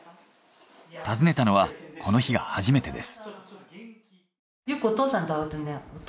訪ねたのはこの日が初めてです。